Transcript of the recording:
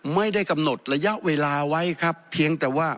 ไม่ได้กำหนดระยะเวลาไว้ครับเพียงแต่ว่า